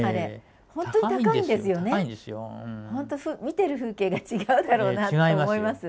本当見てる風景が違うだろうなと思います。